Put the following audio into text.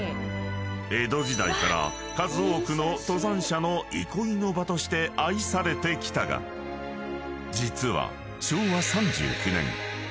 ［江戸時代から数多くの登山者の憩いの場として愛されてきたが実は］